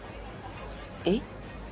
えっ？